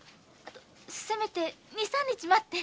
せめて二三日待って。